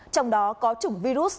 trong đó có trùng virus